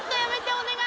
お願い。